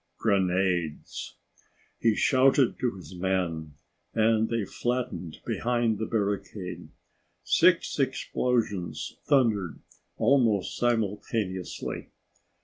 Grenades. He shouted to his men and they flattened behind the barricade. Six explosions thundered almost simultaneously.